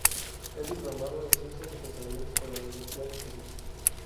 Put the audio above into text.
Es diplomado en Ciencias Empresariales por la Universidad de Sevilla.